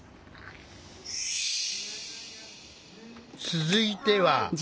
続いては。